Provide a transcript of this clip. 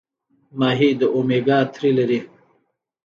ماهي د اومیګا تري لري